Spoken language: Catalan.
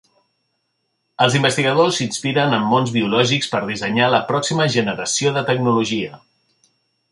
Els investigadors s'inspiren en mons biològics per dissenyar la pròxima generació de tecnologia.